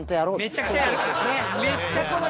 めちゃくちゃやる。